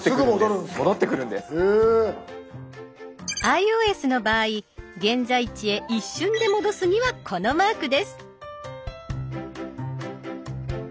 ｉＯＳの場合現在地へ一瞬で戻すにはこのマークです。